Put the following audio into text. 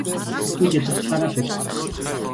Хүүхдүүд ядрахлаараа уйлдаг.